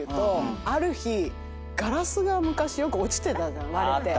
ある日ガラスが昔よく落ちてた割れて。